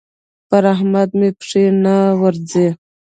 پر احمد مې پښې نه ورځي.